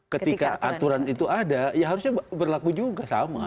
ketika aturan itu ada ya harusnya berlaku juga sama